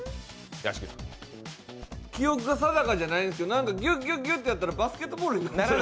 記憶が定かじゃないんですけど、ギュギュッとやったらバスケットボールになる。